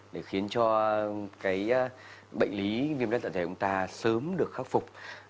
để khiến cho cái bệnh lý viêm đất dạ dày của chúng ta sớm được khắc phục